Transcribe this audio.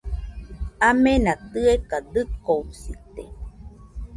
Amena tɨeka dɨkoɨsite